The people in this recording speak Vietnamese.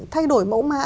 thay đổi mẫu mã